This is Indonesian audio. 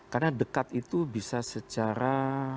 karena dekat itu bisa secara